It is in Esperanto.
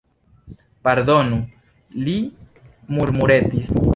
Pardonu, li murmuretis.